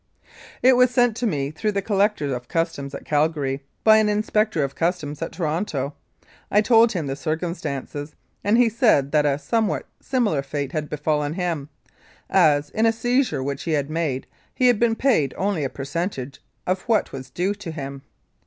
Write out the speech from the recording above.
It was sent to me through the Collector of Customs at Calgary, by an Inspector of Customs at Toronto. I told him the circumstances, and he said that a some what similar fate had befallen him, as, in a seizure which he had made, he had been paid only a percen tage of what was due to him.